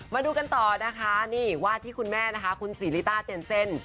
มาดูกันต่อนะคะนี่วาดที่คุณแม่นะคะคุณศรีลิต้าเจนเซ่น